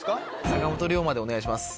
坂本龍馬でお願いします。